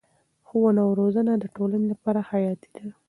ښوونه او روزنه د ټولنې لپاره حیاتي ده.